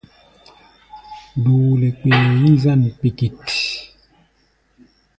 Duule kpee yí-zân kpikit.